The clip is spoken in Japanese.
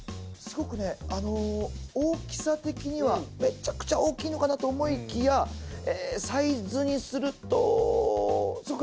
すごくねあの大きさ的にはめっちゃくちゃ大きいのかなと思いきやサイズにすると。